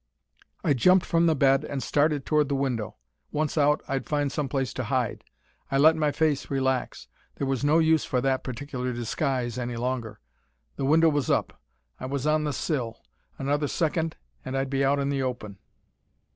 I jumped from the bed and started toward the window. Once out, I'd find some place to hide. I let my face relax; there was no use for that particular disguise any longer. The window was up. I was on the sill. Another second and I'd be out in the open.